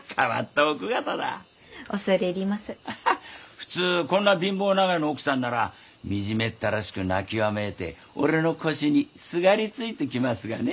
普通こんな貧乏長屋の奥さんなら惨めったらしく泣きわめいて俺の腰にすがりついてきますがね。